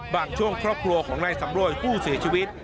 ช่วงครอบครัวของนายสำรวยผู้เสียชีวิต